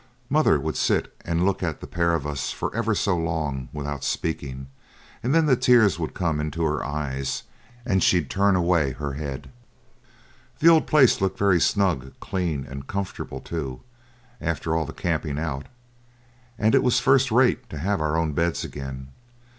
Mother would sit and look at the pair of us for ever so long without speaking, and then the tears would come into her eyes and she'd turn away her head. The old place looked very snug, clean, and comfortable, too, after all the camping out, and it was first rate to have our own beds again.